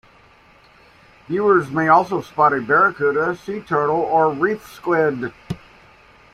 Viewers may also spot a barracuda, sea turtle or reef squid.